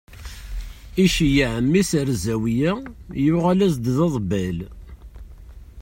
Iceyyeɛ mmi-s ar zawiya, yuɣal-as-d d aḍebbal.